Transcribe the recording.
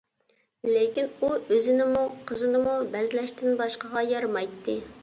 لېكىن ئۇ ئۆزىنىمۇ، قىزىنىمۇ بەزلەشتىن باشقىغا يارىمايتتى.